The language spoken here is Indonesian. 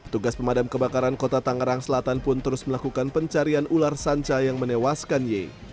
tugas pemadam kebakaran kota tangerang selatan pun terus melakukan pencarian ular sanca yang menewaskan ye